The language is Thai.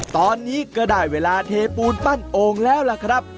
ตอนนี้ก็ได้เวลาเทปูนปั้นโอ่งแล้วล่ะครับ